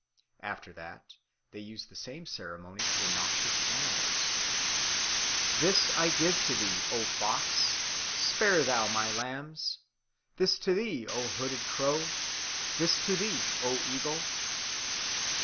After that, they use the same ceremony to the noxious animals: 'This I give to thee, O fox! spare thou my lambs; this to thee, O hooded crow! this to thee, O eagle!'